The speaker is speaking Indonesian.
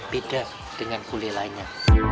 beda dengan gulai lainnya